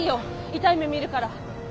痛い目見るから。